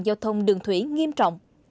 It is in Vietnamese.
giao thông đường thủy nghiêm trọng